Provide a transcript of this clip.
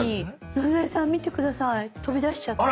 野添さん見て下さい飛び出しちゃった。